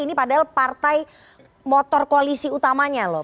ini padahal partai motor koalisi utamanya loh